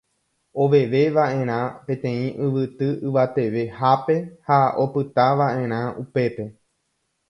Oveveva'erã peteĩ yvyty yvatevehápe ha opytava'erã upépe.